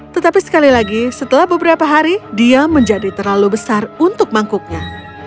tetapi sekali lagi setelah beberapa hari dia menjadi terlalu besar untuk mangkuknya